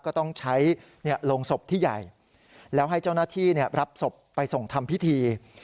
ก็ต้องใช้โรงศพที่ใหญ่แล้วให้เจ้าหน้าที่รับศพไปส่งทำพิธี